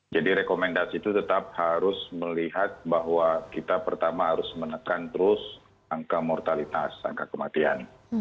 jadi rekomendasi itu tetap harus melihat bahwa kita pertama harus menekan terus angka mortalitas angka kematian